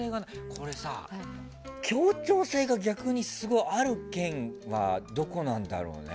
これさ、協調性が逆にすごいある県はどこなんだろうね。